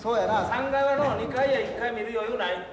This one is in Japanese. ３階はのう２階や１階見る余裕ない。